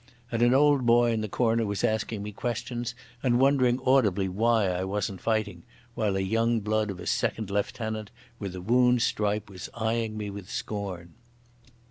And an old boy in the corner was asking me questions and wondering audibly why I wasn't fighting, while a young blood of a second lieutenant with a wound stripe was eyeing me with scorn.